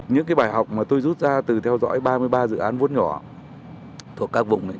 những cái bài học mà tôi rút ra từ theo dõi ba mươi ba dự án vốn nhỏ thuộc các vùng